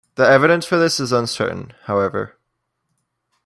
The evidence for this is uncertain, however.